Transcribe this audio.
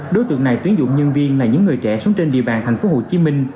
đối tượng này tuyến dụng nhân viên là những người trẻ sống trên địa bàn tp hcm